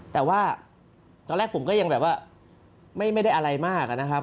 แต่ว่าตอนแรกผมก็ยังแบบว่าไม่ได้อะไรมากนะครับ